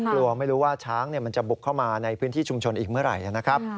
กลัวไม่รู้ว่าช้างมันจะบุกเข้ามาในพื้นที่ชุมชนอีกเมื่อไหร่นะครับ